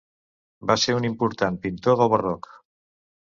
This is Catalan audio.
Va ser un important pintor del barroc.